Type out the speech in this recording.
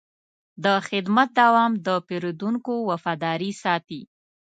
د خدمت دوام د پیرودونکو وفاداري ساتي.